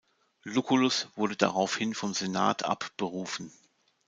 Lucullus wurde daraufhin vom Senat abberufen.